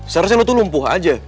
seharusnya lo tuh lumpuh aja